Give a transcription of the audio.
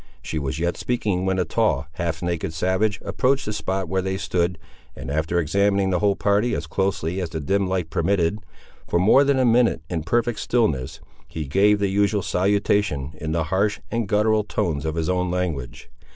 She was yet speaking when a tall, half naked savage, approached the spot where they stood, and after examining the whole party as closely as the dim light permitted, for more than a minute in perfect stillness, he gave the usual salutation in the harsh and guttural tones of his own language.